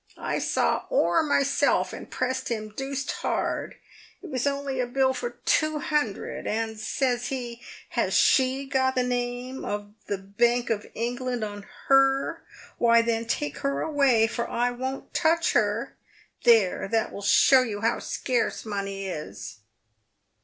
" I saw Orr myself, and pressed him deuced hard. It was only a bill for two hundred, and, says he, ' Has she got the name of the Bank of Eng land on her ? Why, then, take her away, for I won't touch her.' There, that will show you how scarce money is."